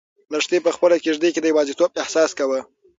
لښتې په خپله کيږدۍ کې د یوازیتوب احساس کاوه.